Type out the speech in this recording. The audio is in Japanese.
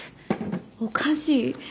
おかしい。